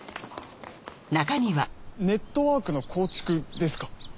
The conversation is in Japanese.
ネットワークの構築ですか？